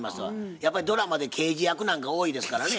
やっぱりドラマで刑事役なんか多いですからね。